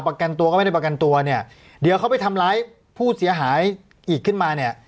ประกันตัวก็ไม่ได้ประกันตัวเนี่ยเดี๋ยวเขาไปทำร้ายผู้เสียหายอีกขึ้นมาเนี่ย